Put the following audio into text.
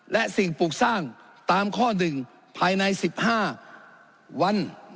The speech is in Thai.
และสิ่งปลูกสร้างตามข้อ๑ภายใน๑๕วัน